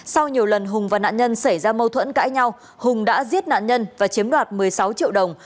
sau nhiều lần hùng và nạn nhân xảy ra mâu thuẫn cãi nhau hùng đã giết nạn nhân và chiếm đoạt một mươi sáu triệu đồng